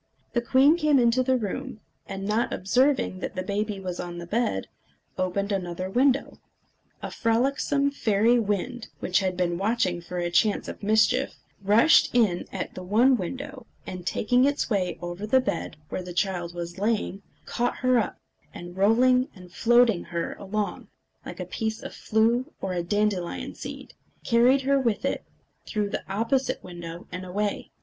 The queen came into the room, and not observing that the baby was on the bed, opened another window. A frolicsome fairy wind, which had been watching for a chance of mischief, rushed in at the one window, and taking its way over the bed where the child was lying, caught her up, and rolling and floating her along like a piece of flue, or a dandelion seed, carried her with it through the opposite window, and away.